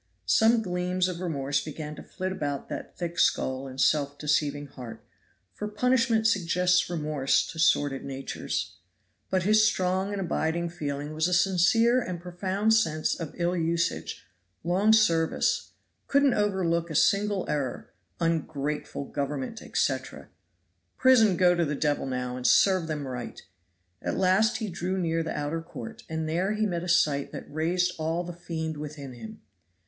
Some gleams of remorse began to flit about that thick skull and self deceiving heart, for punishment suggests remorse to sordid natures. But his strong and abiding feeling was a sincere and profound sense of ill usage long service couldn't overlook a single error ungrateful government, etc. "Prison go to the devil now and serve them right." At last he drew near the outer court, and there he met a sight that raised all the fiend within him.